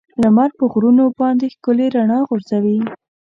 لمر په غرونو باندې ښکلي رڼا غورځوي.